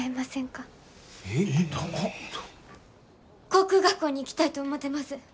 航空学校に行きたいと思てます。